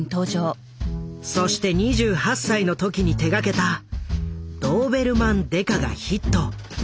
そして２８歳の時に手がけた「ドーベルマン刑事」がヒット。